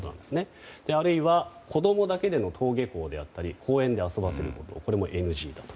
あるいは子供だけでの登下校や公園で遊ばせるということもＮＧだと。